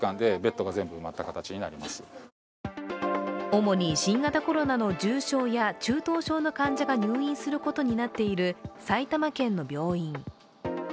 主に新型コロナの重症や中等症の患者が入院することになっている埼玉県の病院。